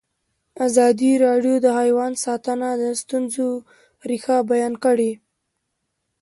ازادي راډیو د حیوان ساتنه د ستونزو رېښه بیان کړې.